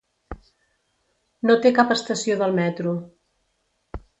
No té cap estació del metro.